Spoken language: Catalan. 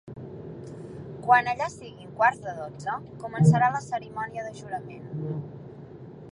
Quan allà siguin quarts de dotze, començarà la cerimònia de jurament.